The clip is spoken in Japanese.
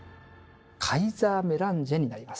「カイザーメランジェ」になります。